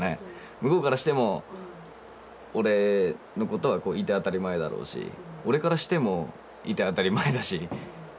向こうからしても俺のことはいて当たり前だろうし俺からしてもいて当たり前だし。